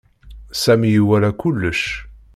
Sami iwala kullec.